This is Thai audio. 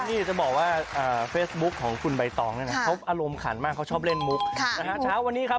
นี่จะบอกว่าเฟสบุ๊คคุณใบตองเนี่ยนะเขาอารมณ์ขันมากเขาชอบเล่นมุกนะคะค่ะ